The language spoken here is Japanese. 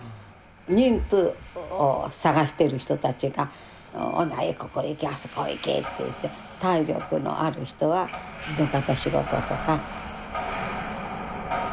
人夫を探してる人たちが「お前ここ行けあそこ行け」って言って体力のある人は土方仕事とか。